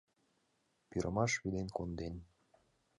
Пӱрымаш вӱден конден...»